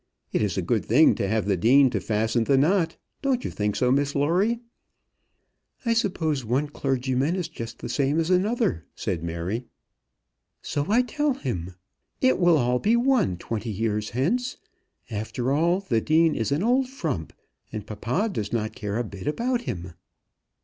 It is a good thing to have the Dean to fasten the knot. Don't you think so, Miss Lawrie?" "I suppose one clergyman is just the same as another," said Mary. "So I tell him. It will all be one twenty years hence. After all, the Dean is an old frump, and papa does not care a bit about him."